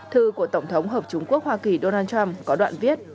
thư của tổng thống hợp chúng quốc hoa kỳ donald trump có đoạn viết